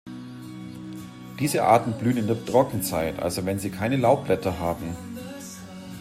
Diese Arten blühen in der Trockenzeit, also wenn sie keine Laubblätter haben.